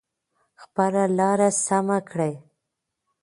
خپله لاره سمه کړئ.